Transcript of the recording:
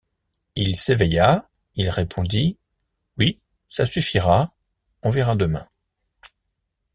Il s’éveilla, il répondit: — Oui, ça suffira, on verra demain.